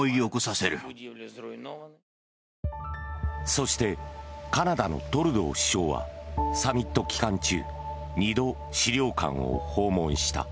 そしてカナダのトルドー首相はサミット期間中２度、資料館を訪問した。